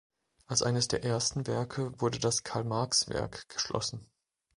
Als eines der ersten Werke wurde das Karl-Marx-Werk geschlossen.